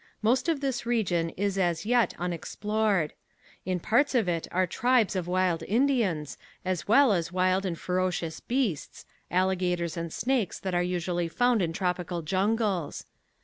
Most of this region is as yet unexplored. In parts of it are tribes of wild Indians as well as wild and ferocious beasts, alligators and snakes that are usually found in tropical jungles.